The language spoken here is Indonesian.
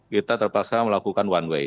kita terpaksa melakukan one way